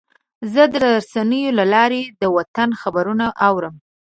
زه د رسنیو له لارې د وطن خبرونه اورم.